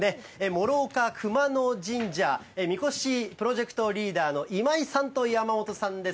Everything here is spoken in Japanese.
師岡熊野神社神輿プロジェクトリーダーの今井さんと山本さんです。